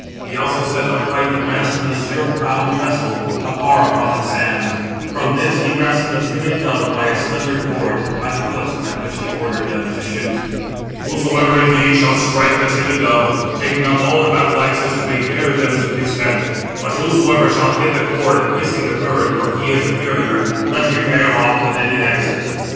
He also set upright the mast of an azure prowed vessel, afar upon the sands; from [this] he fastened a timid dove by a slender cord, by the foot, at which he ordered [them] to shoot: Footnote 772: (return) I.e. well tempered. "Whosoever indeed shall strike the timid dove, taking up all the battle axes, may bear [them] to his tent; but whosoever shall hit the cord, missing the bird (for he is inferior), let him bear off the demi axes."